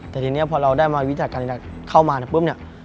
แต่ทีนี้พอเราได้วิทยาศาสตร์การเกียรติเข้ามาปุ๊บเนี่ย